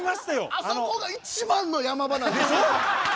あそこが一番の山場なんです！でしょ？